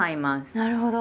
なるほど。